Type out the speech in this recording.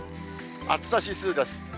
暑さ指数です。